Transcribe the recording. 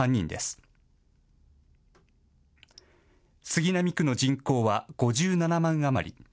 杉並区の人口は５７万余り。